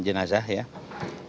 kemudian kita mencari dua korban